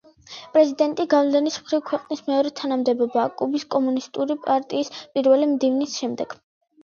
პრეზიდენტი გავლენის მხრივ ქვეყნის მეორე თანამდებობაა კუბის კომუნისტური პარტიის პირველი მდივნის შემდეგ.